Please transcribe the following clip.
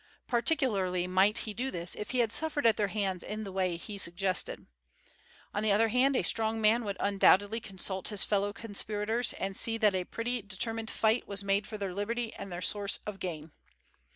Particularly might he do this if he had suffered at their hands in the way he suggested. On the other hand, a strong man would undoubtedly consult his fellow conspirators and see that a pretty determined fight was made for their liberty and their source of gain.